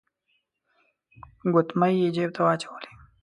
ګوتمۍ يې جيب ته واچولې.